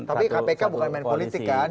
tapi kpk bukan main politik kan